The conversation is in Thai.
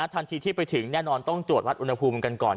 ทันทีที่ไปถึงแน่นอนต้องตรวจวัดอุณหภูมิกันก่อน